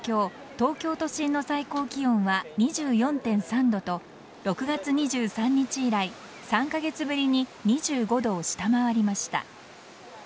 東京都心の最高気温は２４．３度と６月２３日以来、３カ月ぶりに２５度を下回りました。